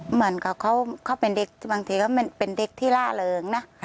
เหมือนกับเขาเป็นเด็กบางทีเขาเป็นเด็กที่ล่าเริงนะ